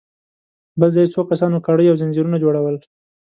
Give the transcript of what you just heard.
بل ځای څو کسانو کړۍ او ځنځيرونه جوړل.